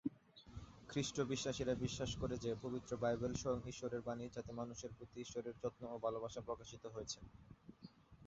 খ্রিস্ট-বিশ্বাসীরা বিশ্বাস করে যে পবিত্র বাইবেল স্বয়ং ঈশ্বরের বাণী যাতে মানুষের প্রতি ঈশ্বরের যত্ন ও ভালবাসা প্রকাশিত হয়েছে।